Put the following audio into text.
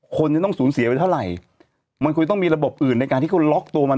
คนจะต้องสูญเสียไว้เท่าไหร่มันควรต้องมีระบบอื่นในการที่เขาล็อกตัวมัน